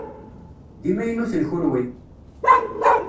D imaynuten kunwi?